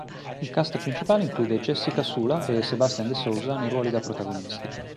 Il cast principale include Jessica Sula e Sebastian de Souza nei ruoli da protagonisti.